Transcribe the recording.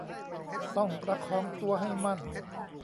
ต้องประคองตัวให้มั่น